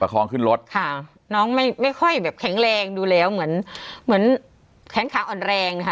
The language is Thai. คองขึ้นรถค่ะน้องไม่ไม่ค่อยแบบแข็งแรงดูแล้วเหมือนเหมือนแขนขาอ่อนแรงนะคะ